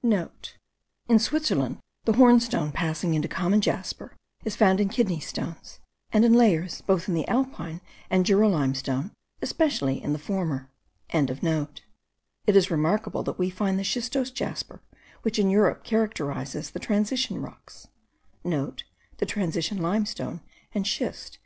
*(* In Switzerland, the hornstone passing into common jasper is found in kidney stones, and in layers both in the Alpine and Jura limestone, especially in the former.) It is remarkable that we find the schistose jasper which in Europe characterizes the transition rocks,* (The transition limestone and schist.)